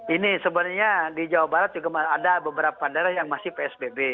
ini sebenarnya di jawa barat juga ada beberapa daerah yang masih psbb